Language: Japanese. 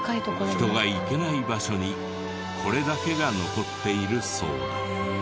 人が行けない場所にこれだけが残っているそうだ。